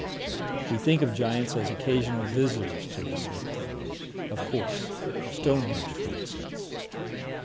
We think of giants as occasional visitors to this earth. Of course Stonehenge, for instance.